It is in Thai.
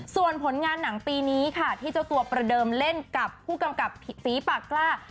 ส่วนผลงานหนังปีนี้ค่ะที่เจ้าตัวประเดิมเล่นกับผู้กำกับฝีปากกล้า